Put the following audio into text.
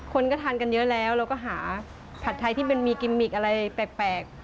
คนก็ทานกันเยอะแล้วเราก็หาผัดไทยที่มันมีกิมมิกอะไรแปลก